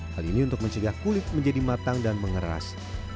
hal ini untuk mencegah kulit menjadi matang dan mengeras